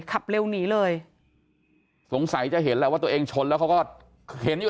ขับเร็วหนีเลยสงสัยจะเห็นแหละว่าตัวเองชนแล้วเขาก็เห็นอยู่